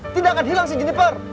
tidak akan hilang si juniper